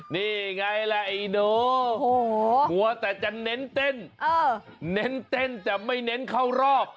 นี่ไงล่ะไอ้โนมัวแต่จะเน้นเต้นเน้นเต้นแต่ไม่เน้นเข้ารอบ